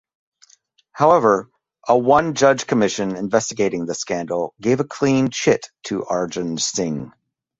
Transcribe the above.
However, a one-judge commission investigating the scandal gave a clean chit to Arjun Singh.